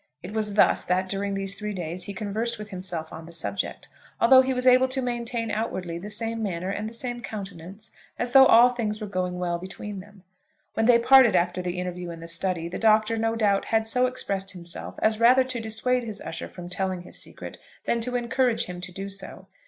It was thus that, during these three days, he conversed with himself on the subject, although he was able to maintain outwardly the same manner and the same countenance as though all things were going well between them. When they parted after the interview in the study, the Doctor, no doubt, had so expressed himself as rather to dissuade his usher from telling his secret than to encourage him to do so.